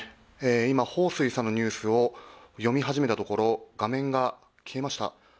今、彭帥さんのニュースを読み始めたところ、画面が消えました。